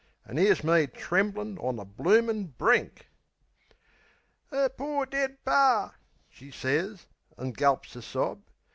An' 'ere's me tremblin' on the bloomin' brink. "'Er pore dead Par," she sez, an' gulps a sob.